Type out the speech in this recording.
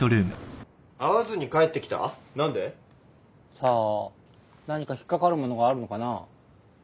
さあ何か引っ掛かるものがあるのかな？